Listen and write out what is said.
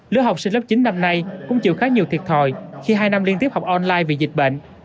lứa học sinh lớp chín năm nay cũng chịu khá nhiều thiệt thòi khi hai năm liên tiếp học online vì dịch bệnh